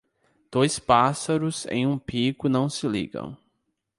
Dois pássaros em um pico não se ligam.